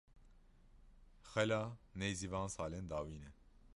Xela nêzî van salên dawîn e.